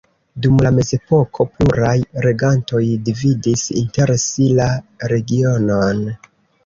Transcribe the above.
Dum la mezepoko pluraj regantoj dividis inter si la regionon.